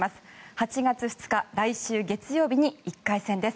８月２日、来週月曜日に１回戦です。